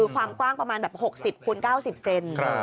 ความกว้างประมาณแบบ๖๐คูณ๙๐เซน